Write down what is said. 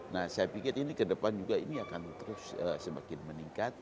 nah saya pikir ini ke depan juga ini akan terus semakin meningkat